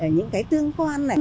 những cái tương quan này